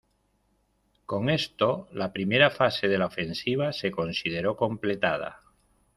Con esto, la primera fase de la ofensiva se consideró completada.